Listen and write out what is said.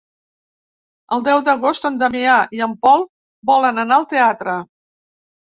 El deu d'agost en Damià i en Pol volen anar al teatre.